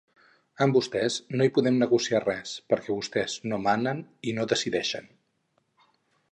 Amb vostès, no hi podem negociar res, perquè vostès no manen i no decideixen.